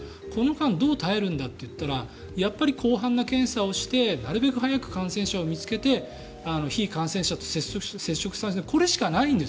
この間どう耐えるんだと言ったらやっぱり広範な検査をしてなるべく早く感染者を見つけて非感染者と接触させない。